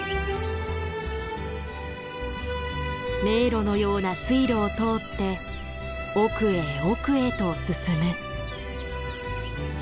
迷路のような水路を通って奥へ奥へと進む。